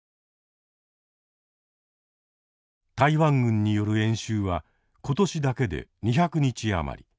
台湾軍による演習は今年だけで２００日余り。